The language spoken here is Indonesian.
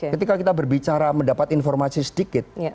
ketika kita berbicara mendapat informasi sedikit